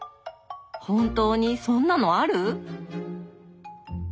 本当にそんなのある？